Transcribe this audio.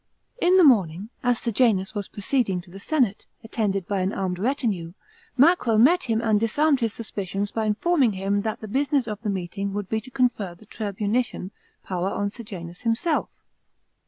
In the morning, as Sejanus was proceeding to the senate, attended by an aimed retinue, Macro met him and disarmed his suspicions by informing him that the business of the meeting would be to confer the tiibunician power on Sejanus himself.